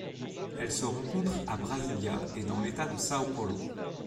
Elle se rencontre à Brasilia et dans l'État de São Paulo.